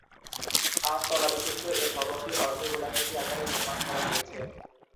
আট-তলাবিশিষ্ট এ ভবনটি অর্ধ-গোলাকৃতি আকারে নির্মাণ করা হয়েছে।